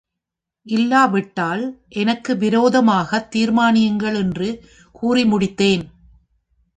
இல்லாவிட்டால் எனக்கு விரோதமாகத் தீர்மானியுங்கள் என்று கூறி முடித்தேன்.